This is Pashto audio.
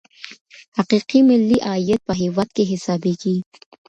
حقیقي ملي عاید په هیواد کي حسابیږي.